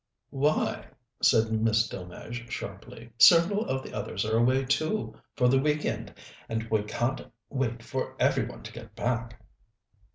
"Why?" said Miss Delmege sharply. "Several of the others are away, too, for the week end, and we can't wait for every one to get back."